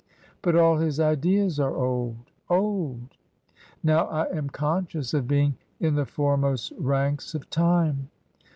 " But all his ideas are old — old. Now I am conscious of being * in the foremost ranks of time